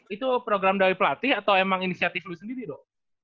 itu program dari pelatih atau emang inisiatif lu sendiri dong